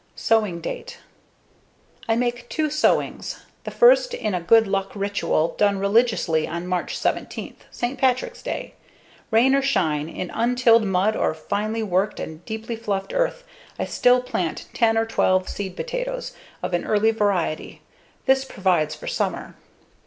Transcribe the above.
Sowing date: I make two sowings. The first is a good luck ritual done religiously on March 17th St. Patrick's Day. Rain or shine, in untilled mud or finely worked and deeply fluffed earth, I still plant 10 or 12 seed potatoes of an early variety. This provides for summer.